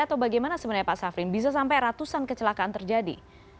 atau bagaimana sebenarnya pak safrin bisa sampai ratusan kecelakaan terjadi